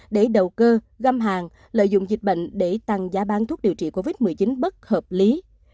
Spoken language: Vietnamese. để đầu cơ găm hàng lợi dụng dịch bệnh để tăng giá bán thuốc điều trị covid một mươi chín bất hợp lý